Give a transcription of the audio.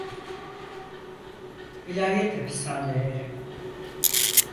Vilayet hapishaneleri.